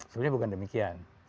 sebenarnya bukan demikian